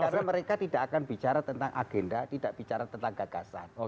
karena mereka tidak akan bicara tentang agenda tidak bicara tentang gagasan